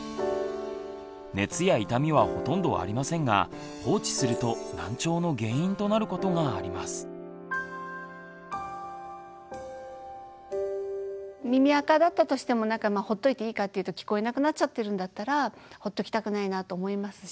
熱や痛みはほとんどありませんが耳あかだったとしてもほっといていいかというと聞こえなくなっちゃってるんだったらほっときたくないなと思いますし。